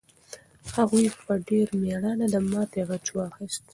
هغوی په ډېر مېړانه د ماتې غچ واخیست.